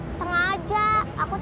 setengah aja aku takut gemuk